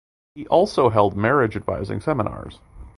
He also held marriage advising seminaries.